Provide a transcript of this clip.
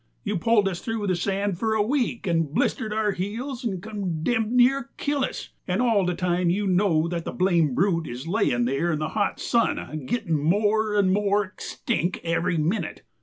You pull us through the sand for a week and blister our heels and condemb near kill us, and all the time you know that the blame brute is layin' there in the hot sun gittin' more and more extinck every minute.